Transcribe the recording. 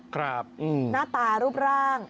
ครับหน้าตารูปร่าง